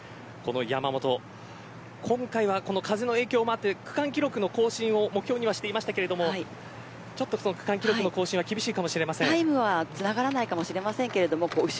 この山本、今回は風の影響もあって区間記録の更新を目標にはしていましたがちょっと区間記録の更新は厳しいかもしれません。